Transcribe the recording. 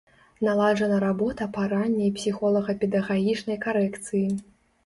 Наладжана работа па ранняй псіхолага-педагагічнай карэкцыі.